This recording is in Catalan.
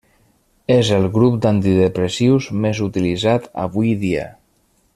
És el grup d'antidepressius més utilitzat avui dia.